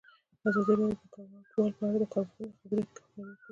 ازادي راډیو د کډوال په اړه د کارپوهانو خبرې خپرې کړي.